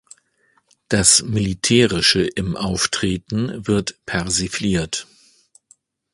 Das Militärische im Auftreten wird persifliert.